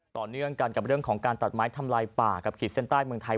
ต่อเนื่องกันกับเรื่องของการตัดไม้ทำลายป่ากับขีดเส้นใต้เมืองไทย